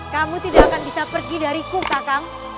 kamu tidak akan bisa pergi dari ku kakang